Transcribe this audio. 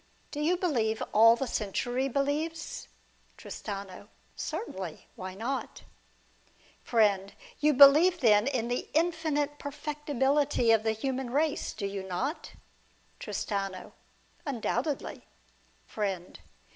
Do you believe all the century believes ? Tristano. Certainly. Why not ? Friend. You believe then in the infinite perfectibility of the human race, do you not ? Tristano. Undoubtedly. Friend.